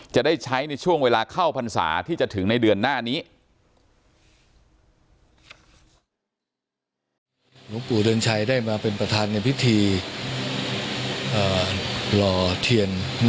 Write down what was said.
จะได้ใช้ในช่วงเวลาเข้าพรรษาที่จะถึงในเดือนหน้านี้